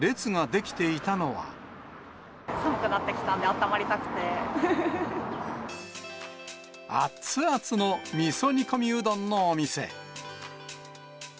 寒くなってきたんで、あったあっつあつのみそ煮込みうどんのお店。